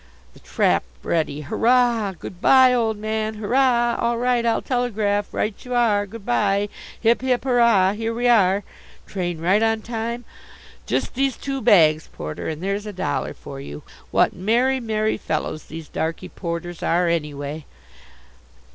The trap ready! Hurrah! Good bye, old man! Hurrah! All right. I'll telegraph. Right you are, good bye. Hip, hip, hurrah! Here we are! Train right on time. Just these two bags, porter, and there's a dollar for you. What merry, merry fellows these darky porters are, anyway!